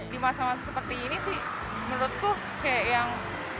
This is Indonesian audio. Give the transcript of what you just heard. di masa masa seperti ini sih menurutku kayak yang